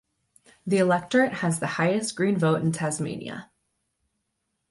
The electorate has the highest Green vote in Tasmania.